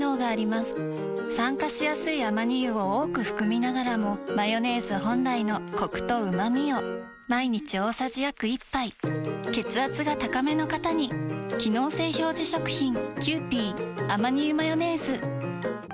酸化しやすいアマニ油を多く含みながらもマヨネーズ本来のコクとうまみを毎日大さじ約１杯血圧が高めの方に機能性表示食品皆様。